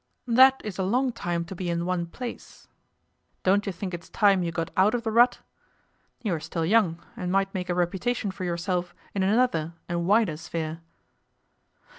'That is a long time to be in one place. Don't you think it's time you got out of the rut? You are still young, and might make a reputation for yourself in another and wider sphere.